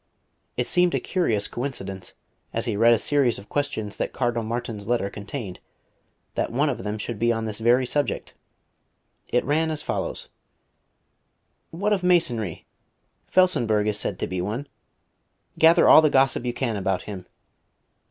It seemed a curious coincidence, as he read a series of questions that Cardinal Martin's letter contained, that one of them should be on this very subject. It ran as follows: "What of Masonry? Felsenburgh is said to be one. Gather all the gossip you can about him.